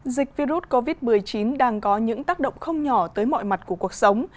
dịch virus covid một mươi chín đang có những tác động không nhỏ tới mọi mặt của cuộc sống